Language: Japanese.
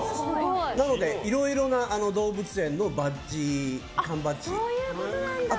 なので、いろいろな動物園の缶バッチ。